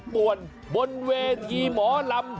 สวัสดีแม่น้ำ